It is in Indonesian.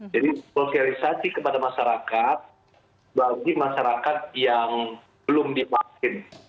jadi prokrisasi kepada masyarakat bagi masyarakat yang belum dipaksin